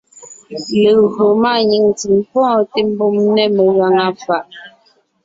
Légÿo máanyìŋ ntsèm pɔ́ɔnte mbùm nɛ́ megàŋa fàʼ.